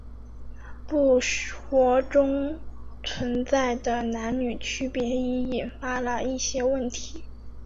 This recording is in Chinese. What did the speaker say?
部活中存在的男女区别已引发了一些问题。